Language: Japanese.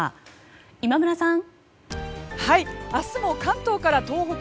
今村さん。